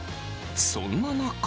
そんな中。